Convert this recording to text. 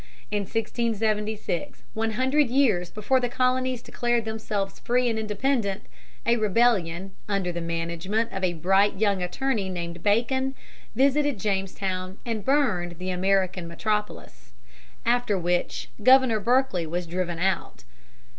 [Illustration: JAMESTOWN LEGISLATOR.] In 1676, one hundred years before the Colonies declared themselves free and independent, a rebellion, under the management of a bright young attorney named Bacon, visited Jamestown and burned the American metropolis, after which Governor Berkeley was driven out.